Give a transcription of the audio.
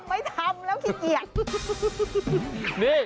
ไม่ทำแล้วขี้เกียจ